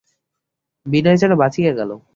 বিনয় যেন বাঁচিয়া গেল।